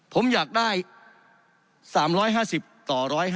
ผมอยากได้๓๕๐ต่อ๑๕๐